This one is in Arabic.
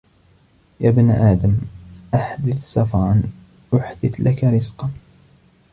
يَا ابْنَ آدَمَ أَحْدِثْ سَفَرًا أُحْدِثُ لَك رِزْقًا